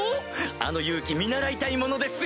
あの勇気見習いたいものです！